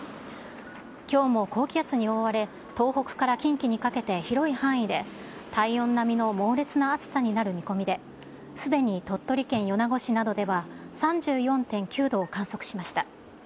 きょうも高気圧に覆われ、東北から近畿にかけて、広い範囲で体温並みの猛烈な暑さになる見込みで、すでに鳥取県米子市などでは３４．９度を観測しました。